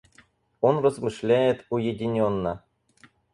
Он размышляет уединенно.